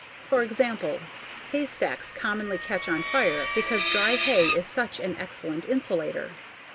For example, haystacks commonly catch on fire because dry hay is such an excellent insulator.